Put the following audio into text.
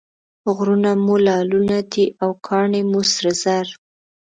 غرونه مو لعلونه دي او کاڼي مو سره زر.